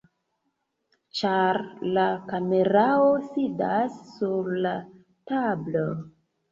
ĉar la kamerao sidas sur la tablo